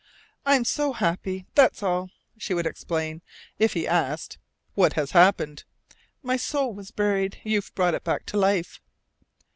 "I'm so happy; that's all," she would explain, if he asked "What has happened?" "My soul was buried. You've brought it back to life."